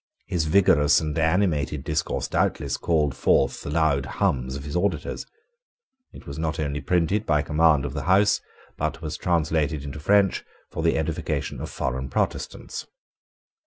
His vigorous and animated discourse doubtless called forth the loud hums of his auditors. It was not only printed by command of the House, but was translated into French for the edification of foreign Protestants.